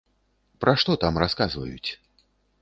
Пра што там расказваюць?